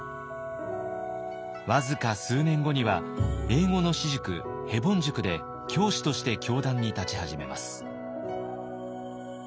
僅か数年後には英語の私塾ヘボン塾で教師として教壇に立ち始めます。